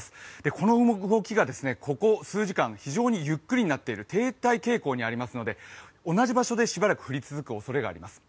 この動きがここ数時間、非常にゆっくりになっている停滞傾向にありますので、同じ場所でしばらく降り続くおそれがあります。